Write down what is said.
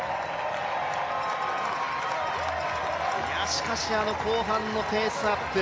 しかし、あの後半のペースアップ